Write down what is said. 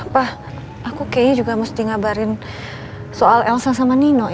wah aku kayaknya juga mesti ngabarin soal elsa sama nino ya